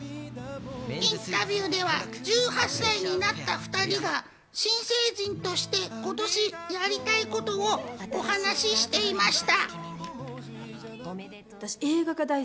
インタビューでは１８歳になった２人が新成人として今年やりたいことをお話していました。